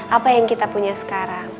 apa yang kita punya sekarang